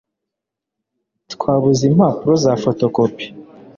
Twabuze impapuro za fotokopi